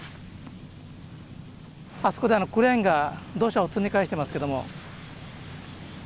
あそこであのクレーンが土砂を積み替えしてますけども。